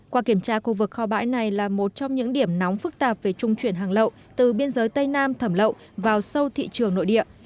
qua kiểm tra khu vực kho bãi này là một trong những điểm nóng phức tạp về trung chuyển hàng lậu từ biên giới tây nam thẩm lậu vào sâu thị trường nội địa